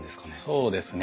そうですね。